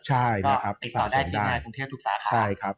ติดต่อได้ทีนายกรุงเทพศ์ทุกสาขา